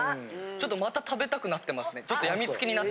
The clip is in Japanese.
ちょっとまた食べたくなってますね。